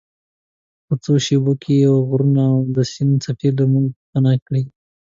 په څو شیبو کې یې غرونه او د سیند څپې له موږ پناه کړې.